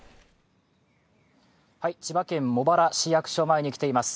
千葉県茂原市役所前に来ています。